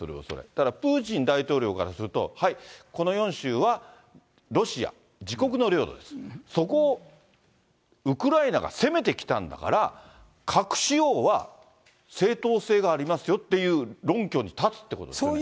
だからプーチン大統領からすると、はい、この４州はロシア、自国の領土ですと、そこをウクライナが攻めてきたんだから、核使用は正当性がありますよっていう論拠に立つってことですね。